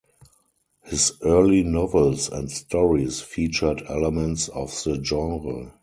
His early novels and stories featured elements of the genre.